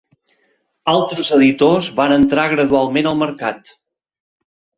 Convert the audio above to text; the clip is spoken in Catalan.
Altres editors van entrar gradualment al mercat.